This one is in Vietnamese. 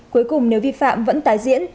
cuối cùng nếu vi phạm vẫn tái diễn